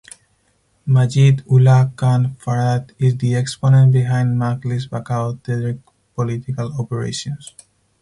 Majeed Ullah Khan Farhat is the exponent behind Majlis Bachao Tehreek political Operations.